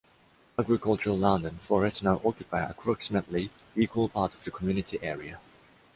Agricultural land and forest now occupy approximately equal parts of the community area.